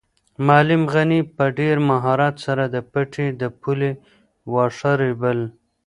معلم غني په ډېر مهارت سره د پټي د پولې واښه رېبل.